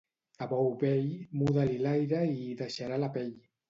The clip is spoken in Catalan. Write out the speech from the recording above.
A bou vell, muda-li l'aire i hi deixarà la pell.